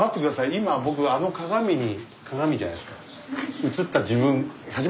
今僕あの鏡に鏡じゃないですか。